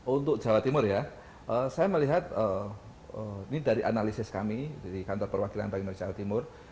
untuk jawa timur ya saya melihat ini dari analisis kami dari kantor perwakilan bank indonesia jawa timur